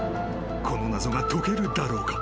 この謎が解けるだろうか？